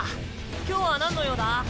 今日はなんの用だ？